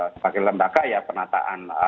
sebagai lembaga penataan